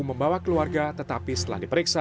membawa keluarga tetapi setelah diperiksa